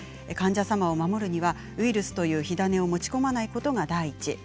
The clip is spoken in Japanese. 患者さんも守るにはウイルスという火種を持ち込まないことが第一。